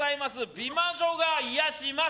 美魔女が癒やします。